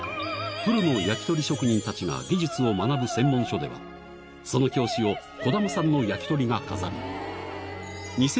プロの焼き鳥職人たちが技術を学ぶ専門書では、その表紙を児玉さんの焼き鳥が飾る。